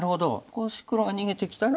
こう黒が逃げてきたら。